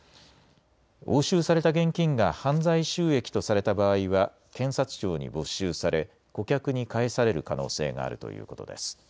押収された現金が犯罪収益とされた場合は検察庁に没収され顧客に返される可能性があるということです。